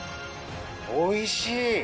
おいしい！